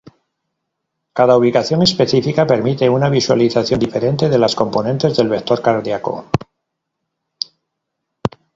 Cada ubicación específica permite una visualización diferente de las componentes del vector cardíaco.